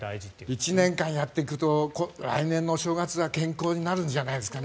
１年間やっていくと来年のお正月は健康になるんじゃないですかね。